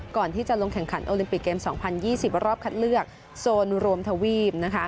ก่อนที่จะลงแข่งขันโอลิมปิกเกม๒๐๒๐รอบคัดเลือกโซนรวมทวีปนะคะ